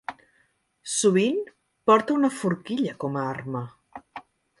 Sovint porta una forquilla com a arma.